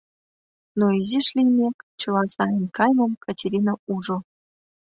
Но изиш лиймек, чыла сайын кайымым Катерина ужо.